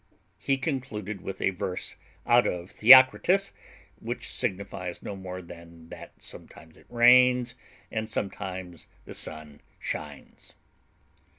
He concluded with a verse out of Theocritus, which signifies no more than that sometimes it rains, and sometimes the sun shines.